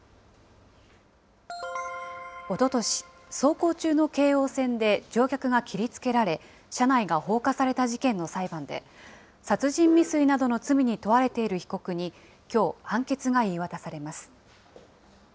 おととし、走行中の京王線で乗客が切りつけられ、車内が放火された事件の裁判で、殺人未遂などの罪に問われている被告に、きょう、判決が言い渡されます。